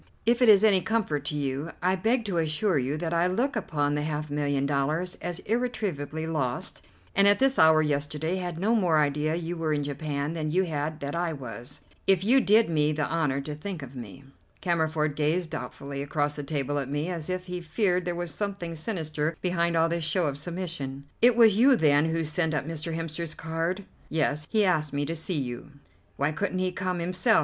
If it is any comfort to you, I beg to assure you that I look upon the half million dollars as irretrievably lost, and at this hour yesterday had no more idea you were in Japan than you had that I was, if you did me the honour to think of me." Cammerford gazed doubtfully across the table at me, as if he feared there was something sinister behind all this show of submission. "It was you, then, who sent up Mr. Hemster's card?" "Yes. He asked me to see you." "Why couldn't he come himself?